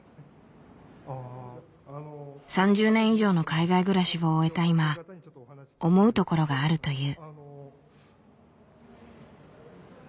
３０年以上の海外暮らしを終えた今思うところがあるという。